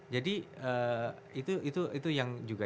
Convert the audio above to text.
jadi itu yang juga